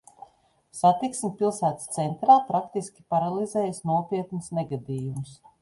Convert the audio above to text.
Satiksmi pilsētas centrā praktiski paralizējis nopietns negadījums.